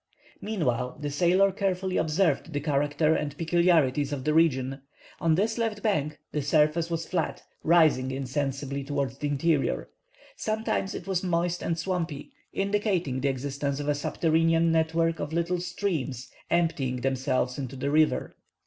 Meanwhile, the sailor carefully observed the character and peculiarities of the region. On this left bank the surface was flat, rising insensibly towards the interior. Sometimes it was moist and swampy, indicating the existence of a subterranean network of little streams emptying themselves into the river.